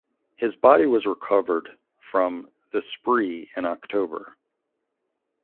His body was recovered from the Spree in October.